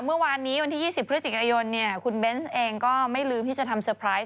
เมื่อวานนี้วันที่๒๐พฤศจิกายนคุณเบนส์เองก็ไม่ลืมที่จะทำเตอร์ไพรส์